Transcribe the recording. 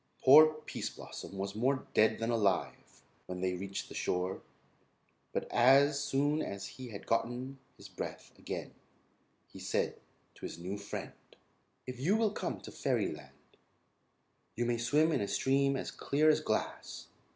Poor Pease Blossom was more dead than alive when they reached the shore, but as soon as he had gotten his breath again he said to his new friend: "If you will come with me to fairyland you may swim in a stream as clear as glass.